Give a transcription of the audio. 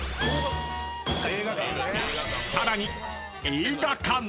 ［さらに］